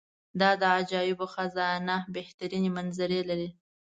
دا د عجایبو خزانه بهترینې منظرې لري.